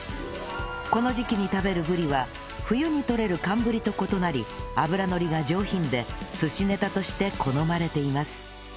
この時期に食べるブリは冬に取れる寒ブリと異なり脂のりが上品で寿司ネタとして好まれています